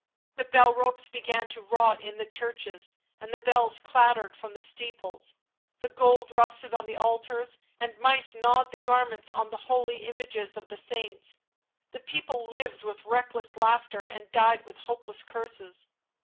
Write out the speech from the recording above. The bell ropes began to rot in the churches, and the bells clattered from the steeples ; the gold rusted on the altars, and mice gnawed the garments on the holy images of the Saints. The people lived with reckless laughter and died with hopeless curses.